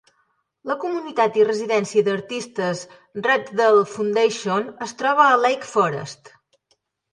La comunitat i residència d'artistes Ragdale Foundation es troba a Lake Forest.